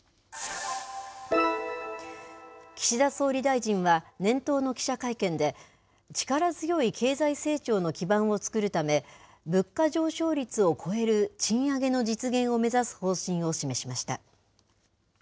岸田総理大臣は年頭の記者会見で、力強い経済成長の基盤を作るため、物価上昇率を超える賃上げの実現を目指す方針を示しました。